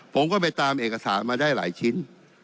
ผมก็ไปตามเอกสารมาได้หลายชิ้น